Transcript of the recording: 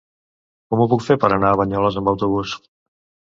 Com ho puc fer per anar a Banyoles amb autobús?